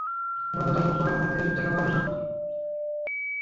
মাধানা গোপালের দেখা পাবে না।